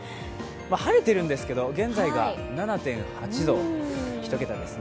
晴れてるんですけど現在が７．８度、一桁ですね。